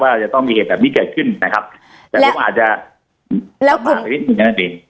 ว่าจะต้องมีเหตุแบบนี้เกิดขึ้นนะครับแล้วอาจจะแล้วอืม